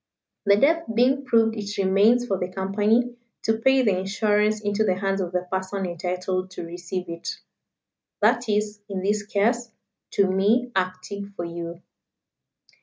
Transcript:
The death being proved it remains for the Company to pay the insurance into the hands of the person entitled to receive it. That is, in this case, to me, acting for you."